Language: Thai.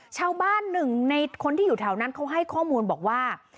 ชาวบ้านหนึ่งในคนที่อยู่แถวนั้นเขาให้ข้อมูลบอกว่า